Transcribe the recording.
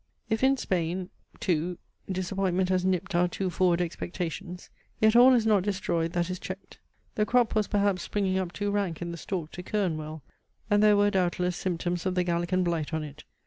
If in Spain too disappointment has nipped our too forward expectations, yet all is not destroyed that is checked. The crop was perhaps springing up too rank in the stalk to kern well; and there were, doubtless, symptoms of the Gallican blight on it.